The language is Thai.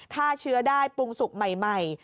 ฆ่าเชื้อได้ปรุงสุกใหม่